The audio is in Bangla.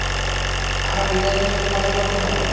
আমার ডিজাইনারের সাথে কথা বলতে হবে।